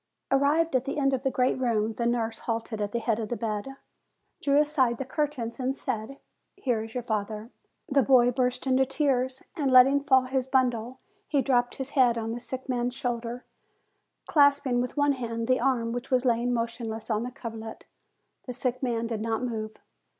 Arrived at the end of the great room, the nurse halted at the head of a bed, drew aside the curtains and said, "Here is your father." The boy burst into tears, and letting fall his bundle, he dropped his head on the sick man's shoulder, clasp ing with one hand the arm which was lying motion less on the coverlet. The sick man did not move.